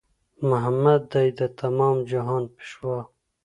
محمد دی د تمام جهان پېشوا